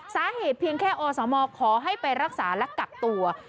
สาเหตุเพียงแค่อสมขอให้ไปรักษาและกักตัว